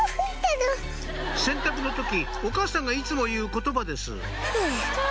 洗濯の時お母さんがいつも言う言葉です